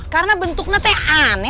karena bentuknya teh aneh